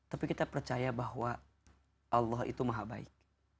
tapi kita percaya bahwa allah itu maha baik